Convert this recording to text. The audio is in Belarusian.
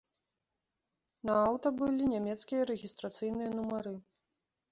На аўта былі нямецкія рэгістрацыйныя нумары.